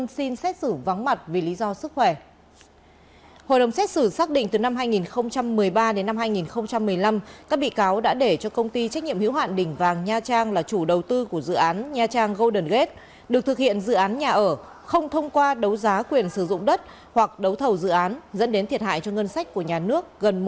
xin chào và hẹn gặp lại các bạn trong những video tiếp theo